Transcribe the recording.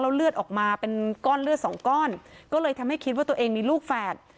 เลือดออกมาเป็นก้อนเลือดสองก้อนก็เลยทำให้คิดว่าตัวเองมีลูกแฝด